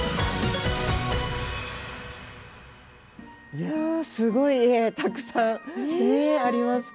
いやすごいいい絵たくさんありますけど。